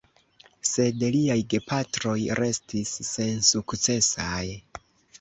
Sed liaj petegoj restis sensukcesaj.